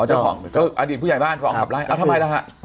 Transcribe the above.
อ๋อเจ้าของอดีตผู้ใหญ่บ้านฟ้องขับไล่ทำไมล่ะค่ะ